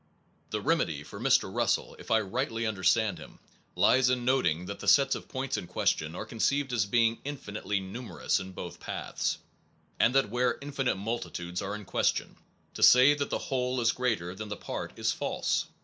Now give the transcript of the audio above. The remedy, for Mr. Russell, if I rightly understand him, lies in noting that the sets of points in question are conceived as being in finitely numerous in both paths, and that where infinite multitudes are in question, to say that the whole is greater than the part is false.